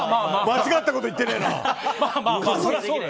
間違ったことは言ってねえな。